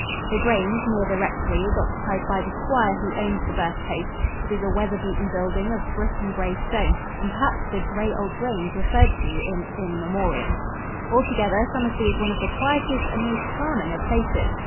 The grange, near the rectory, is occupied by the squire who owns the birthplace, it is a weatherbeaten building of brick and gray stone and perhaps the "gray old grange" referred to in "In Memoriam." Altogether, Somersby is one of the quietest and most charming of places.